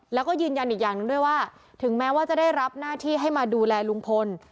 แล้วก็ยืนยันอีกอย่างหนึ่งด้วยว่าถึงแม้ว่าจะได้รับหน้าที่ให้มาดูแลลุงพล